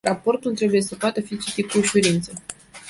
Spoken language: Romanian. Raportul trebuie să poată fi citit cu ușurință.